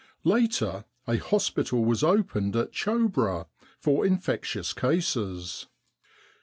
Later, a hospital was opened at Choubra for infectious cases.